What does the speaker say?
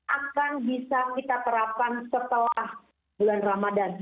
akan bisa kita terapkan setelah bulan ramadan